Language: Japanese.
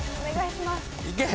いけ。